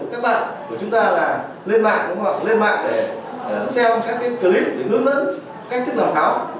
các bạn của chúng ta là lên mạng để xem các clip để hướng dẫn cách thức làm pháo